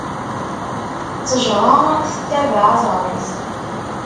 Ttejṛa tettabeɛ aẓar-is.